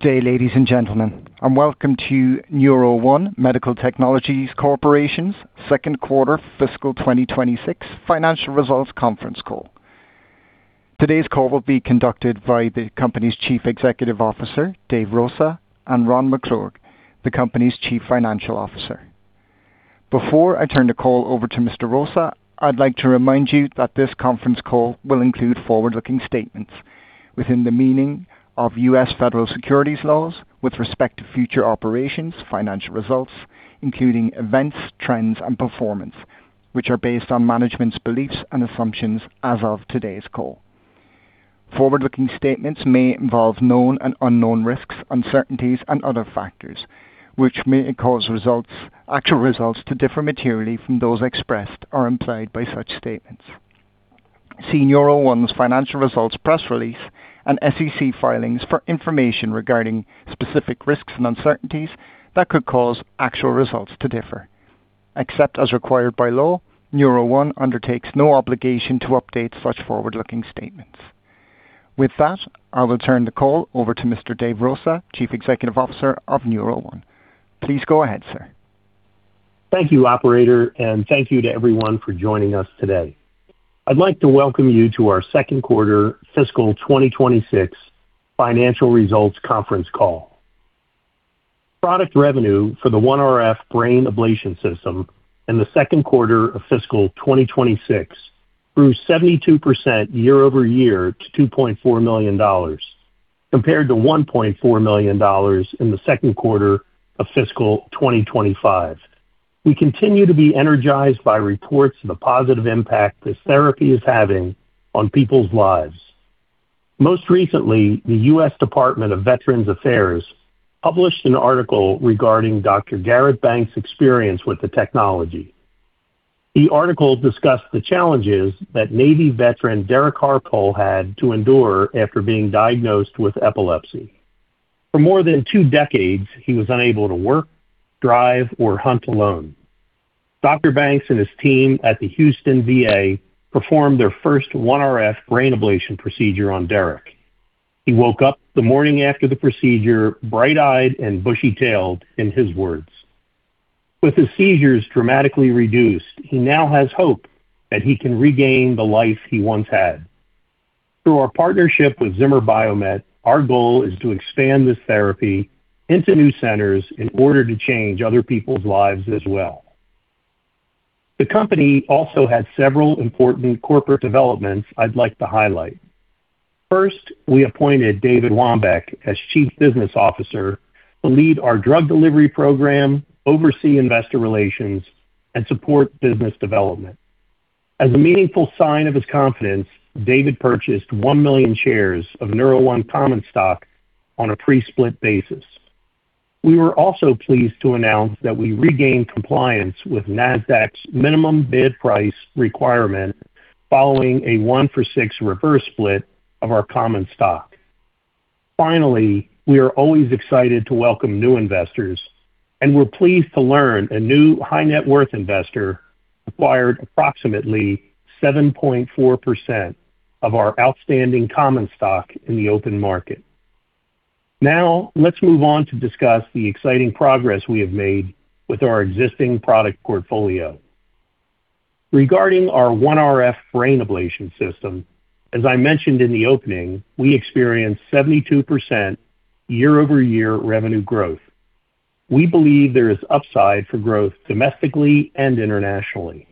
Good day, ladies and gentlemen, and welcome to NeuroOne Medical Technologies Corporation's second quarter fiscal 2026 financial results conference call. Today's call will be conducted by the company's Chief Executive Officer, Dave Rosa, and Ron McClurg, the company's Chief Financial Officer. Before I turn the call over to Mr. Rosa, I'd like to remind you that this conference call will include forward-looking statements within the meaning of U.S. Federal Securities laws with respect to future operations, financial results, including events, trends, and performance, which are based on management's beliefs and assumptions as of today's call. Forward-looking statements may involve known and unknown risks, uncertainties and other factors, which may cause actual results to differ materially from those expressed or implied by such statements. See NeuroOne's financial results, press release, and SEC filings for information regarding specific risks and uncertainties that could cause actual results to differ. Except as required by law, NeuroOne undertakes no obligation to update such forward-looking statements. With that, I will turn the call over to Mr. Dave Rosa, Chief Executive Officer of NeuroOne. Please go ahead, sir. Thank you, operator, and thank you to everyone for joining us today. I'd like to welcome you to our second quarter fiscal 2026 financial results conference call. Product revenue for the OneRF Brain Ablation System in the second quarter of fiscal 2026 grew 72% year over year to $2.4 million, compared to $1.4 million in the second quarter of fiscal 2025. We continue to be energized by reports of the positive impact this therapy is having on people's lives. Most recently, the U.S. Department of Veterans Affairs published an article regarding Dr. Garrett Banks' experience with the technology. The article discussed the challenges that Navy veteran Derrick Harpole had to endure after being diagnosed with epilepsy. For more than two decades, he was unable to work, drive, or hunt alone. Dr. Banks and his team at the Houston VA performed their first OneRF brain ablation procedure on Derrick. He woke up the morning after the procedure, bright-eyed and bushy-tailed, in his words. With his seizures dramatically reduced, he now has hope that he can regain the life he once had. Through our partnership with Zimmer Biomet, our goal is to expand this therapy into new centers in order to change other people's lives as well. The company also had several important corporate developments I'd like to highlight. First, we appointed David Wambeke as Chief Business Officer to lead our drug delivery program, oversee investor relations, and support business development. As a meaningful sign of his confidence, David purchased one million shares of NeuroOne common stock on a pre-split basis. We were also pleased to announce that we regained compliance with Nasdaq's minimum bid price requirement following a 1-for-6 reverse split of our common stock. Finally, we are always excited to welcome new investors, and we're pleased to learn a new high-net worth investor acquired approximately 7.4% of our outstanding common stock in the open market. Now, let's move on to discuss the exciting progress we have made with our existing product portfolio. Regarding our OneRF Brain Ablation System, as I mentioned in the opening, we experienced 72% year-over-year revenue growth. We believe there is upside for growth domestically and internationally.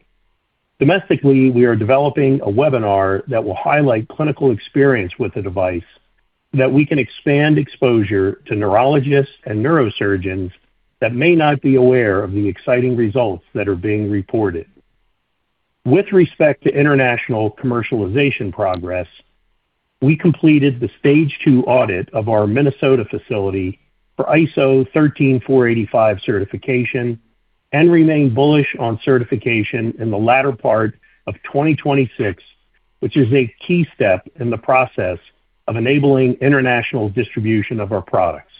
Domestically, we are developing a webinar that will highlight clinical experience with the device that we can expand exposure to neurologists and neurosurgeons that may not be aware of the exciting results that are being reported. With respect to international commercialization progress, we completed the Stage 2 audit of our Minnesota facility for ISO 13485 certification and remain bullish on certification in the latter part of 2026, which is a key step in the process of enabling international distribution of our products.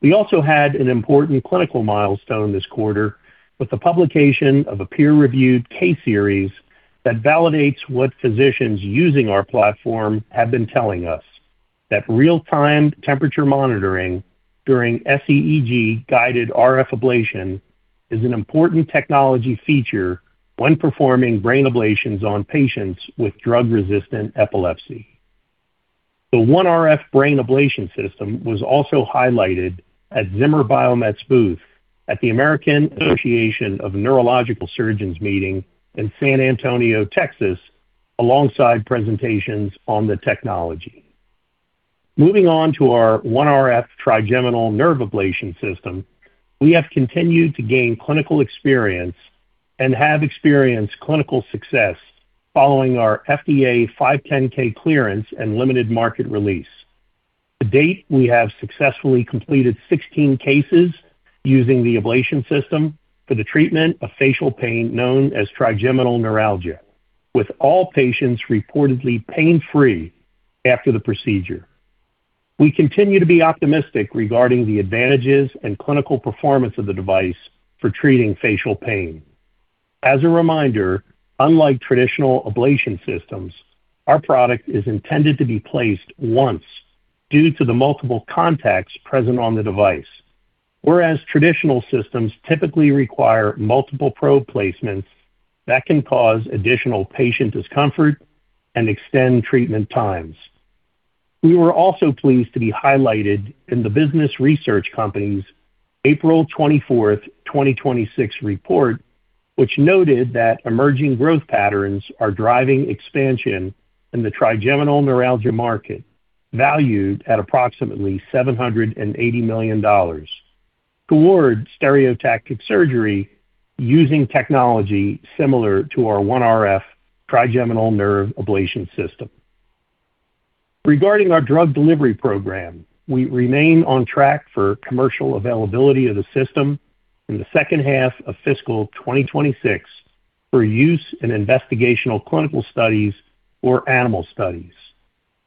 We also had an important clinical milestone this quarter with the publication of a peer-reviewed case series that validates what physicians using our platform have been telling us, that real-time temperature monitoring during sEEG-guided RF ablation is an important technology feature when performing brain ablations on patients with drug-resistant epilepsy. The OneRF Brain Ablation System was also highlighted at Zimmer Biomet's booth at the American Association of Neurological Surgeons meeting in San Antonio, Texas, alongside presentations on the technology. Moving on to our OneRF Trigeminal Nerve Ablation System, we have continued to gain clinical experience and have experienced clinical success following our FDA 510(k) clearance and limited market release. To date, we have successfully completed 16 cases using the ablation system for the treatment of facial pain known as Trigeminal Neuralgia, with all patients reportedly pain-free after the procedure. We continue to be optimistic regarding the advantages and clinical performance of the device for treating facial pain. As a reminder, unlike traditional ablation systems, our product is intended to be placed once due to the multiple contacts present on the device. Whereas traditional systems typically require multiple probe placements that can cause additional patient discomfort and extend treatment times. We were also pleased to be highlighted in The Business Research Company's April 24th, 2026 report, which noted that emerging growth patterns are driving expansion in the Trigeminal Neuralgia market, valued at approximately $780 million, towards stereotactic surgery using technology similar to our OneRF Trigeminal Nerve Ablation system. Regarding our drug delivery program, we remain on track for commercial availability of the system in the second half of fiscal 2026 for use in investigational clinical studies or animal studies.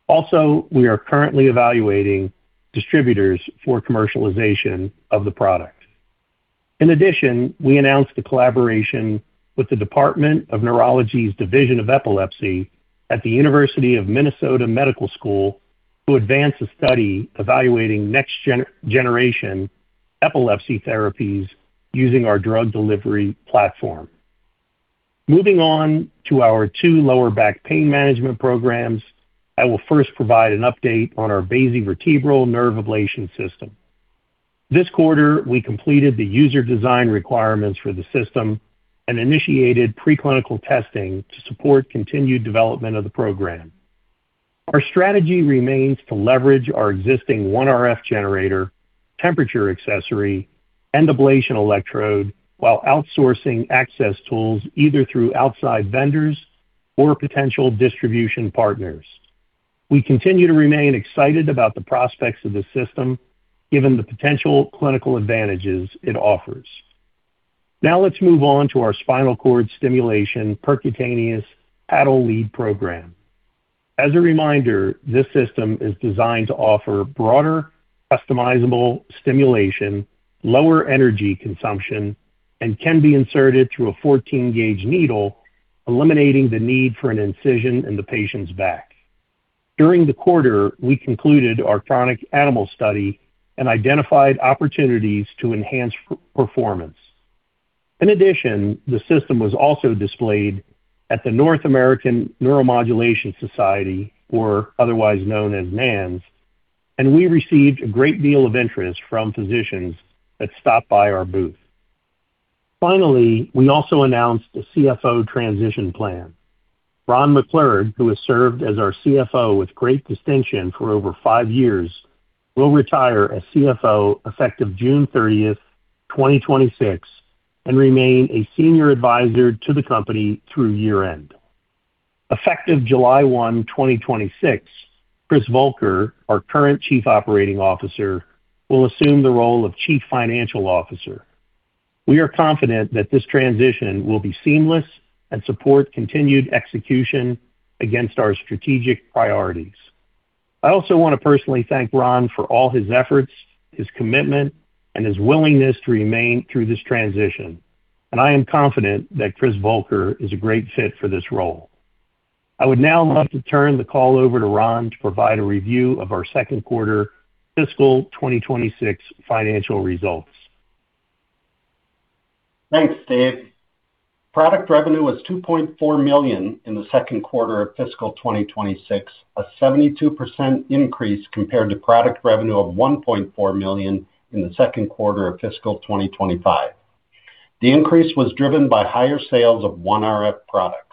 Also, we are currently evaluating distributors for commercialization of the product. In addition, we announced a collaboration with the Department of Neurology's Division of Epilepsy at the University of Minnesota Medical School to advance a study evaluating next generation epilepsy therapies using our drug delivery platform. Moving on to our two lower back pain management programs. I will first provide an update on our basivertebral nerve ablation system. This quarter, we completed the user design requirements for the system and initiated preclinical testing to support continued development of the program. Our strategy remains to leverage our existing OneRF generator, temperature accessory, and ablation electrode while outsourcing access tools either through outside vendors or potential distribution partners. We continue to remain excited about the prospects of the system given the potential clinical advantages it offers. Let's move on to our Spinal Cord Stimulation Percutaneous Paddle Lead Program. As a reminder, this system is designed to offer broader customizable stimulation, lower energy consumption, and can be inserted through a 14-gauge needle, eliminating the need for an incision in the patient's back. During the quarter, we concluded our chronic animal study and identified opportunities to enhance performance. In addition, the system was also displayed at the North American Neuromodulation Society, or otherwise known as NANS, we received a great deal of interest from physicians that stopped by our booth. Finally, we also announced a CFO transition plan. Ron McClurg, who has served as our CFO with great distinction for over five years, will retire as CFO effective June 30th, 2026, and remain a senior advisor to the company through year-end. Effective July 1, 2026, Chris Volker, our current Chief Operating Officer, will assume the role of Chief Financial Officer. We are confident that this transition will be seamless and support continued execution against our strategic priorities. I also want to personally thank Ron for all his efforts, his commitment, and his willingness to remain through this transition. I am confident that Chris Volker is a great fit for this role. I would now love to turn the call over to Ron to provide a review of our second quarter fiscal 2026 financial results. Thanks, Dave. Product revenue was $2.4 million in the second quarter of fiscal 2026, a 72% increase compared to product revenue of $1.4 million in the second quarter of fiscal 2025. The increase was driven by higher sales of OneRF products.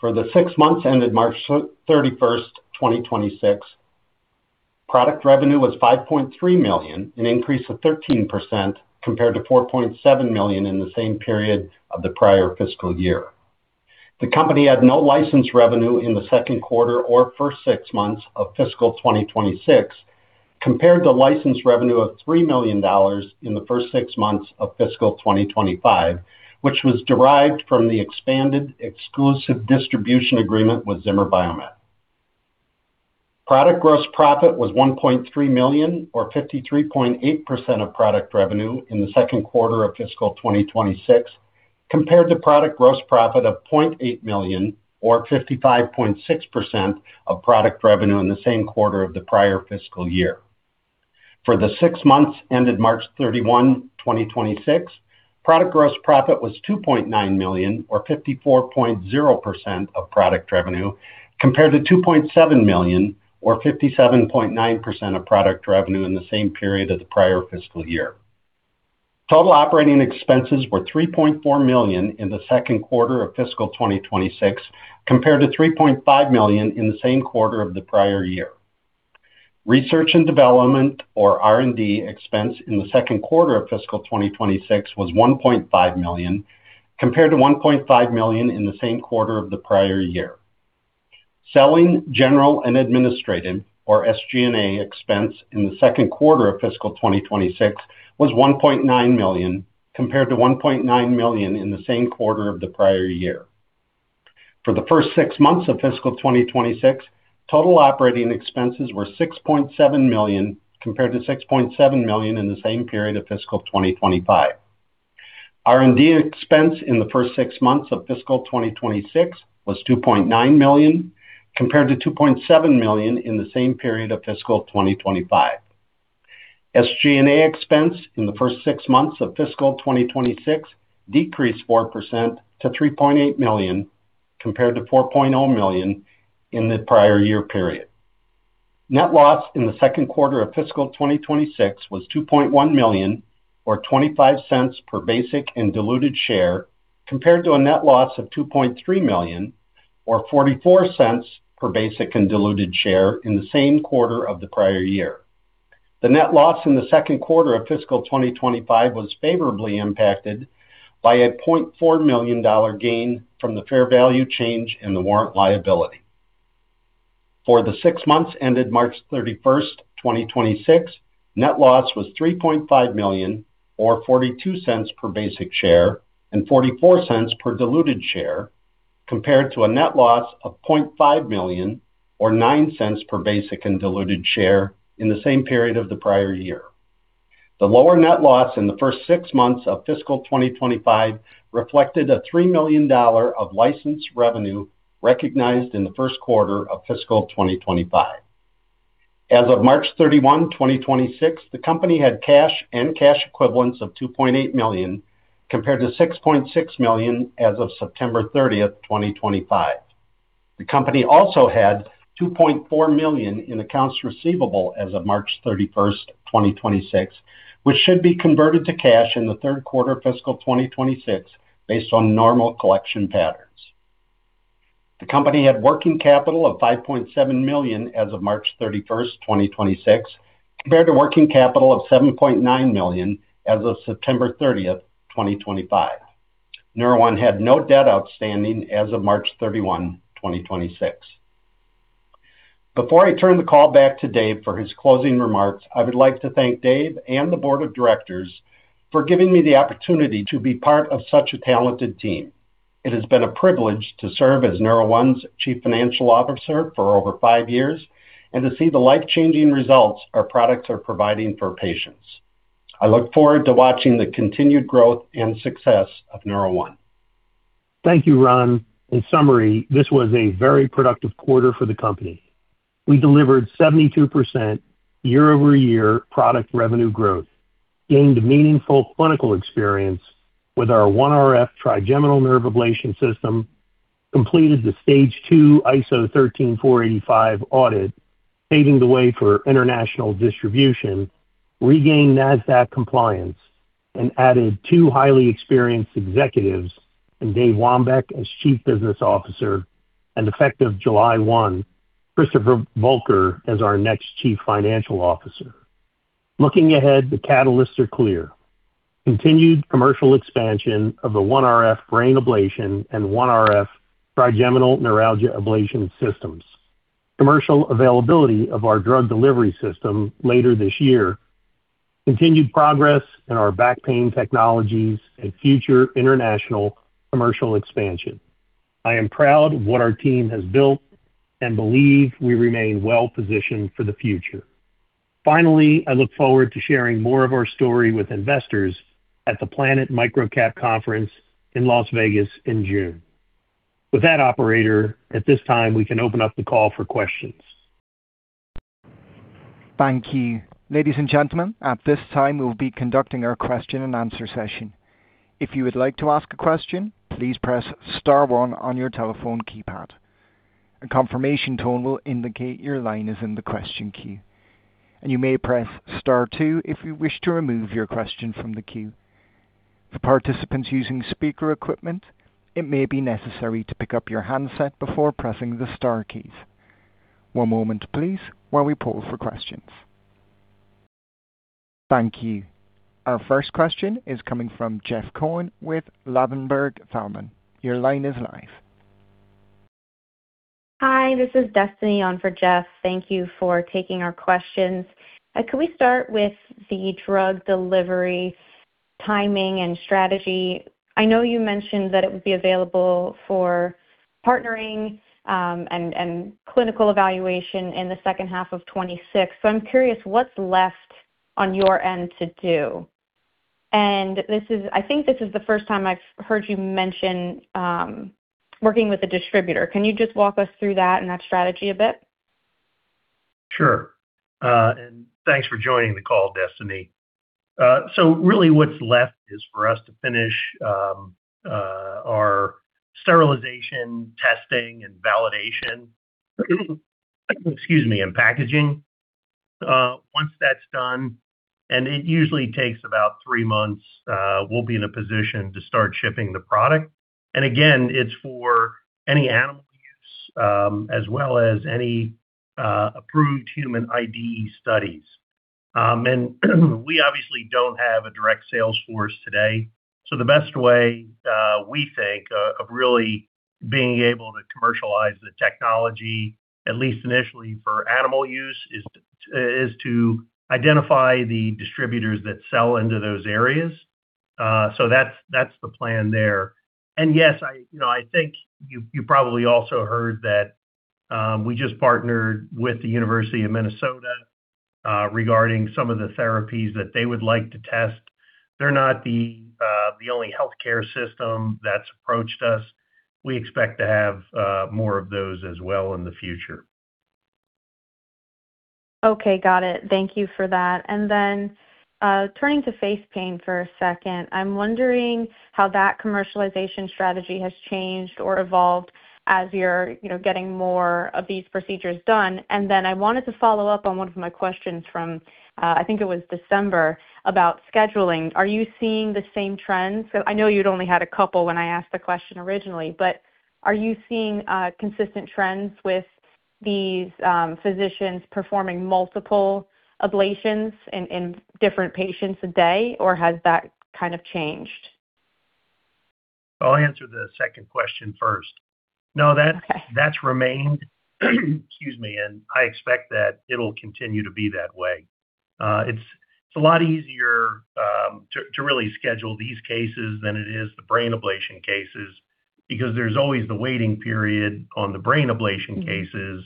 For the six months ended March 31st, 2026, product revenue was $5.3 million, an increase of 13% compared to $4.7 million in the same period of the prior fiscal year. The company had no license revenue in the second quarter or first six months of fiscal 2026, compared to license revenue of $3 million in the first six months of fiscal 2025, which was derived from the expanded exclusive distribution agreement with Zimmer Biomet. Product gross profit was $1.3 million or 53.8% of product revenue in the second quarter of fiscal 2026, compared to product gross profit of $0.8 million or 55.6% of product revenue in the same quarter of the prior fiscal year. For the six months ended March 31, 2026, product gross profit was $2.9 million or 54.0% of product revenue, compared to $2.7 million or 57.9% of product revenue in the same period of the prior fiscal year. Total operating expenses were $3.4 million in the second quarter of fiscal 2026, compared to $3.5 million in the same quarter of the prior year. Research and development or R&D expense in the second quarter of fiscal 2026 was $1.5 million, compared to $1.5 million in the same quarter of the prior year. Selling, general, and administrative or SG&A expense in the second quarter of fiscal 2026 was $1.9 million, compared to $1.9 million in the same quarter of the prior year. For the first six months of fiscal 2026, total operating expenses were $6.7 million, compared to $6.7 million in the same period of fiscal 2025. R&D expense in the first six months of fiscal 2026 was $2.9 million, compared to $2.7 million in the same period of fiscal 2025. SG&A expense in the first six months of fiscal 2026 decreased 4% to $3.8 million, compared to $4.0 million in the prior year period. Net loss in the second quarter of fiscal 2026 was $2.1 million, or $0.25 per basic and diluted share, compared to a net loss of $2.3 million, or $0.44 per basic and diluted share in the same quarter of the prior year. The net loss in the second quarter of fiscal 2025 was favorably impacted by a $0.4 million gain from the fair value change in the warrant liability. For the six months ended March 31st, 2026, net loss was $3.5 million, or $0.42 per basic share and $0.44 per diluted share, compared to a net loss of $0.5 million or $0.09 per basic and diluted share in the same period of the prior year. The lower net loss in the first six months of fiscal 2025 reflected a $3 million of license revenue recognized in the first quarter of fiscal 2025. As of March 31, 2026, the company had cash and cash equivalents of $2.8 million, compared to $6.6 million as of September 30th, 2025. The company also had $2.4 million in accounts receivable as of March 31st, 2026, which should be converted to cash in the third quarter of fiscal 2026 based on normal collection patterns. The company had working capital of $5.7 million as of March 31st, 2026, compared to working capital of $7.9 million as of September 30th, 2025. NeuroOne had no debt outstanding as of March 31, 2026. Before I turn the call back to Dave for his closing remarks, I would like to thank Dave and the Board of Directors for giving me the opportunity to be part of such a talented team. It has been a privilege to serve as NeuroOne's Chief Financial Officer for over five years and to see the life-changing results our products are providing for patients. I look forward to watching the continued growth and success of NeuroOne. Thank you, Ron. In summary, this was a very productive quarter for the company. We delivered 72% year-over-year product revenue growth, gained meaningful clinical experience with our OneRF Trigeminal Nerve Ablation System, completed the Stage 2 ISO 13485 audit, paving the way for international distribution, regained Nasdaq compliance, and added two highly experienced executives in David Wambeke as Chief Business Officer, and effective July 1, Chris Volker as our next Chief Financial Officer. Looking ahead, the catalysts are clear. Continued commercial expansion of the OneRF Brain Ablation and OneRF Trigeminal Neuralgia Ablation systems. Commercial availability of our drug delivery system later this year. Continued progress in our back pain technologies and future international commercial expansion. I am proud of what our team has built and believe we remain well-positioned for the future. Finally, I look forward to sharing more of our story with investors at the Planet MicroCap Conference in Las Vegas in June. With that, operator, at this time, we can open up the call for questions. Thank you. Ladies and gentlemen, at this time, we'll be conducting our question and answer session. If you would like to ask a question, please press star one on your telephone keypad. A confirmation tone will indicate your line is in the question queue. You may press star two if you wish to remove your question from the queue. For participants using speaker equipment, it may be necessary to pick up your handset before pressing the star keys. One moment please while we poll for questions. Thank you. Our first question is coming from Jeff Cohen with Ladenburg Thalmann. Your line is live. Hi, this is Destiny on for Jeff. Thank you for taking our questions. Could we start with the drug delivery timing and strategy? I know you mentioned that it would be available for partnering and clinical evaluation in the second half of 2026. I'm curious what's left on your end to do. This is the first time I've heard you mention working with a distributor. Can you just walk us through that and that strategy a bit? Sure. Thanks for joining the call, Destiny. Really what's left is for us to finish our sterilization testing and validation, excuse me, and packaging. Once that's done, it usually takes about three months, we'll be in a position to start shipping the product. Again, it's for any animal use, as well as any approved human IDE studies. We obviously don't have a direct sales force today, the best way we think of really being able to commercialize the technology, at least initially for animal use, is to identify the distributors that sell into those areas. That's the plan there. Yes, I, you know, I think you probably also heard that, we just partnered with the University of Minnesota regarding some of the therapies that they would like to test. They're not the only healthcare system that's approached us. We expect to have more of those as well in the future. Got it. Thank you for that. Turning to face pain for a second, I'm wondering how that commercialization strategy has changed or evolved as you're, you know, getting more of these procedures done. I wanted to follow up on one of my questions from, I think it was December, about scheduling. Are you seeing the same trends? I know you'd only had a couple when I asked the question originally, but are you seeing consistent trends with these physicians performing multiple ablations in different patients a day, or has that kind of changed? I'll answer the second question first. Okay. No, that's remained, excuse me, I expect that it'll continue to be that way. It's a lot easier to really schedule these cases than it is the brain ablation cases because there's always the waiting period on the brain ablation cases.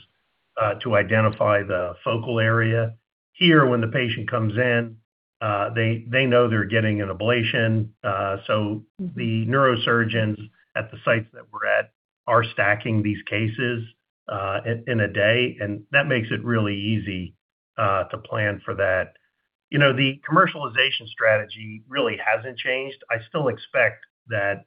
To identify the focal area. Here, when the patient comes in, they know they're getting an ablation. The neurosurgeons at the sites that we're at are stacking these cases in a day, and that makes it really easy to plan for that. You know, the commercialization strategy really hasn't changed. I still expect that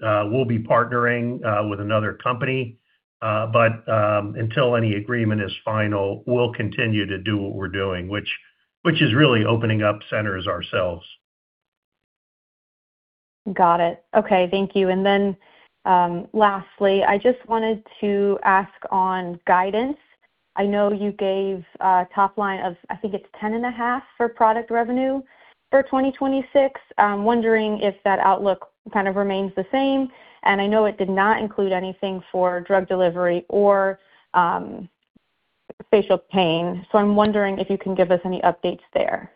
we'll be partnering with another company. Until any agreement is final, we'll continue to do what we're doing, which is really opening up centers ourselves. Got it. Okay. Thank you. Then, lastly, I just wanted to ask on guidance. I know you gave a top line of, I think it's ten and a half for product revenue for 2026. I'm wondering if that outlook kind of remains the same. I know it did not include anything for drug delivery or facial pain. I'm wondering if you can give us any updates there.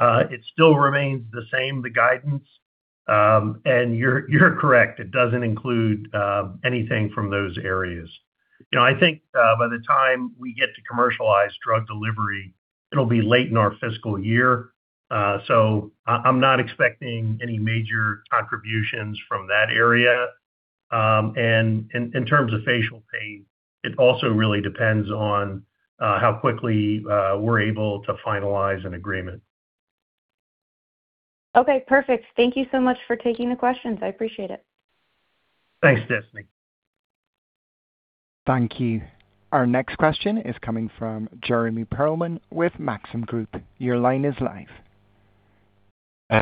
It still remains the same, the guidance. You're correct, it doesn't include anything from those areas. You know, I think by the time we get to commercialize drug delivery, it'll be late in our fiscal year. I'm not expecting any major contributions from that area. In terms of facial pain, it also really depends on how quickly we're able to finalize an agreement. Okay. Perfect. Thank you so much for taking the questions. I appreciate it. Thanks, Destiny. Thank you. Our next question is coming from Jeremy Pearlman with Maxim Group. Your line is live.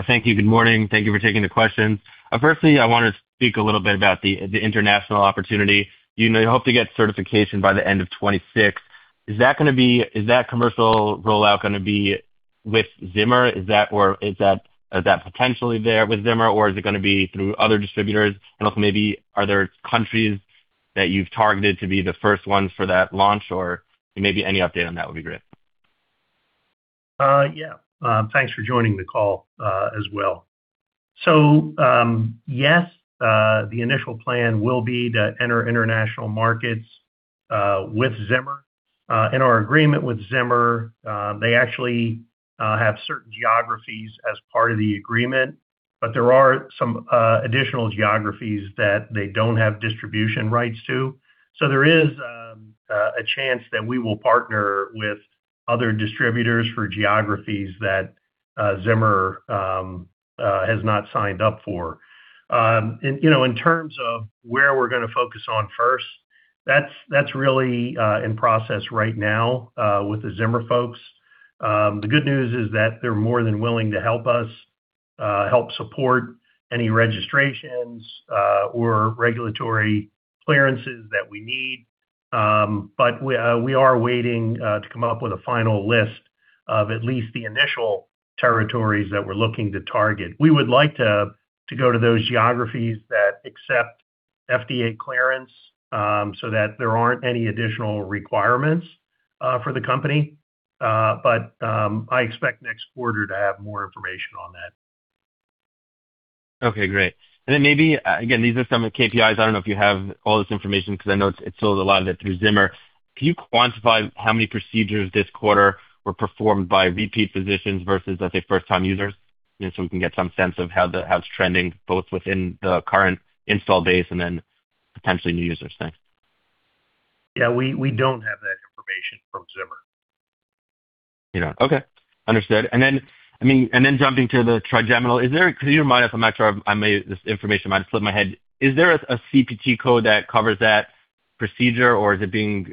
Thank you. Good morning. Thank you for taking the questions. Firstly, I wanted to speak a little bit about the international opportunity. You know, you hope to get certification by the end of 2026. Is that commercial rollout gonna be with Zimmer? Is that or is that potentially there with Zimmer, or is it gonna be through other distributors? Also maybe are there countries that you've targeted to be the first ones for that launch? Maybe any update on that would be great. Yeah. Thanks for joining the call as well. Yes, the initial plan will be to enter international markets with Zimmer. In our agreement with Zimmer, they actually have certain geographies as part of the agreement, but there are some additional geographies that they don't have distribution rights to. There is a chance that we will partner with other distributors for geographies that Zimmer has not signed up for. And, you know, in terms of where we're gonna focus on first, that's really in process right now with the Zimmer folks. The good news is that they're more than willing to help us help support any registrations or regulatory clearances that we need. We are waiting to come up with a final list of at least the initial territories that we're looking to target. We would like to go to those geographies that accept FDA clearance, so that there aren't any additional requirements for the company. I expect next quarter to have more information on that. Okay. Great. Then maybe, again, these are some KPIs. I don't know if you have all this information because I know it's sold a lot of it through Zimmer. Can you quantify how many procedures this quarter were performed by repeat physicians versus, let's say, first-time users? You know, we can get some sense of how it's trending, both within the current install base and then potentially new users. Thanks. Yeah. We don't have that information from Zimmer. You don't. Okay. Understood. I mean, and then jumping to the trigeminal, is there, 'cause remind me if I'm not sure, this information might have slipped my head. Is there a CPT code that covers that procedure or is it being,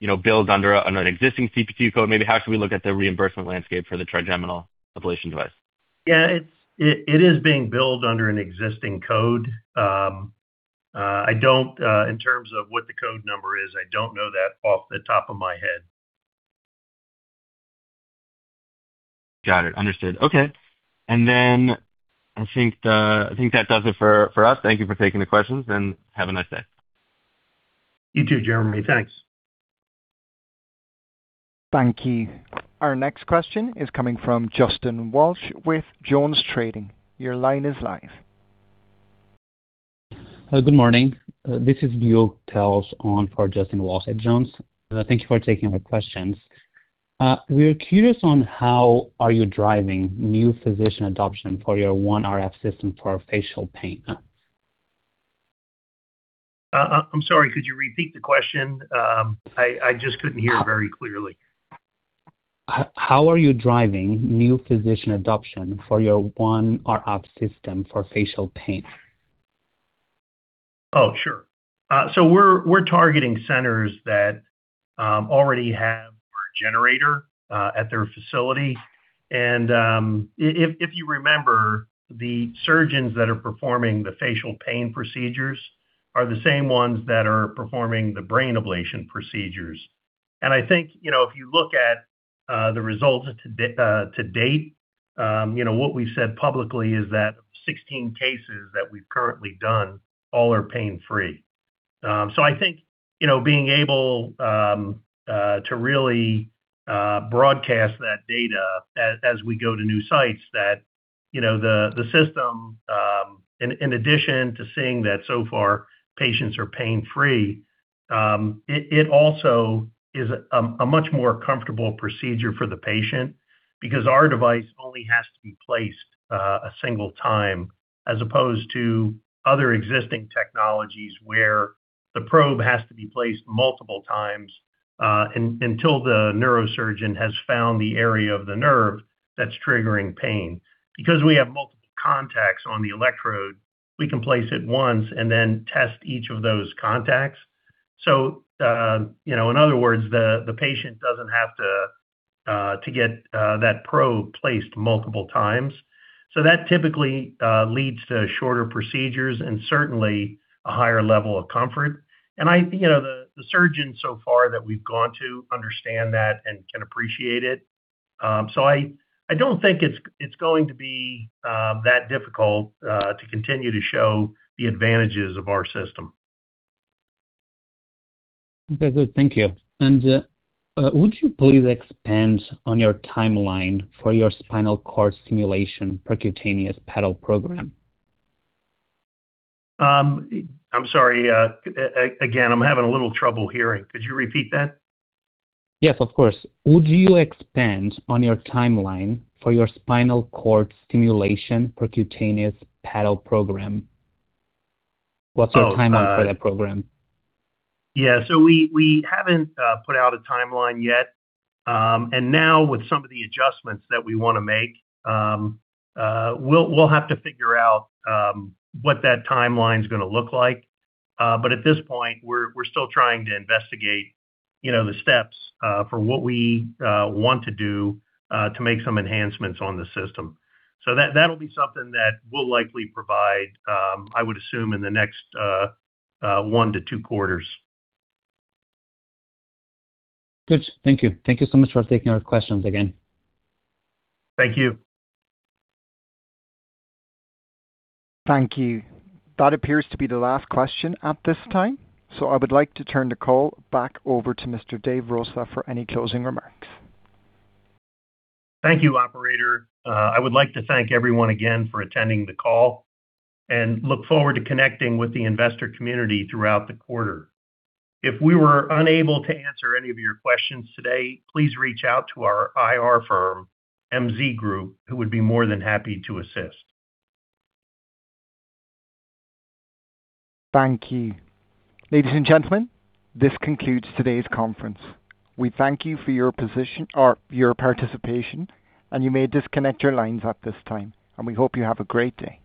you know, billed under an existing CPT code maybe? How should we look at the reimbursement landscape for the trigeminal ablation device? Yeah. It is being billed under an existing code. I don't, in terms of what the code number is, I don't know that off the top of my head. Got it. Understood. Okay. I think that does it for us. Thank you for taking the questions, and have a nice day. You too, Jeremy. Thanks. Thank you. Our next question is coming from Justin Walsh with JonesTrading. Your line is live. Good morning. This is [Leo Tels] on for Justin Walsh at Jones. Thank you for taking our questions. We're curious on how are you driving new physician adoption for your OneRF system for facial pain? I'm sorry, could you repeat the question? I just couldn't hear very clearly. How are you driving new physician adoption for your OneRF system for facial pain? Sure. We're targeting centers that already have our generator at their facility. If you remember, the surgeons that are performing the facial pain procedures are the same ones that are performing the brain ablation procedures. I think, you know, if you look at the results to date, you know, what we've said publicly is that 16 cases that we've currently done all are pain-free. I think, you know, being able to really broadcast that data as we go to new sites that, you know, the system, in addition to seeing that so far patients are pain-free, it also is a much more comfortable procedure for the patient because our device only has to be placed a single time, as opposed to other existing technologies where the probe has to be placed multiple times until the neurosurgeon has found the area of the nerve that's triggering pain. Because we have multiple contacts on the electrode, we can place it once and then test each of those contacts. You know, in other words, the patient doesn't have to get that probe placed multiple times. That typically leads to shorter procedures and certainly a higher level of comfort. And I [hear] that the surgeons so far that we've gone to understand that and can appreciate it. I don't think it's going to be that difficult to continue to show the advantages of our system. Okay, good. Thank you. Would you please expand on your timeline for your Spinal Cord Stimulation Percutaneous Paddle Program? I'm sorry, again, I'm having a little trouble hearing. Could you repeat that? Yes, of course. Would you expand on your timeline for your Spinal Cord Stimulation Percutaneous Paddle program? Oh. What's your timeline for that program? Yeah. We, we haven't put out a timeline yet. Now with some of the adjustments that we wanna make, we'll have to figure out what that timeline's gonna look like. At this point, we're still trying to investigate, you know, the steps for what we want to do to make some enhancements on the system. That, that'll be something that we'll likely provide, I would assume in the next one to two quarters. Good. Thank you. Thank you so much for taking our questions again. Thank you. Thank you. That appears to be the last question at this time, so I would like to turn the call back over to Mr. Dave Rosa for any closing remarks. Thank you, operator. I would like to thank everyone again for attending the call and look forward to connecting with the investor community throughout the quarter. If we were unable to answer any of your questions today, please reach out to our IR firm, MZ Group, who would be more than happy to assist. Thank you. Ladies and gentlemen, this concludes today's conference. We thank you for your participation. You may disconnect your lines at this time. We hope you have a great day.